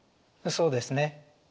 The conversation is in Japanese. そうですね。